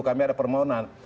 kami ada permohonan